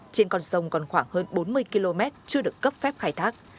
trên con sông còn khoảng hơn bốn mươi km chưa được cấp phép khai thác